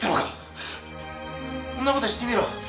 そんな事してみろ。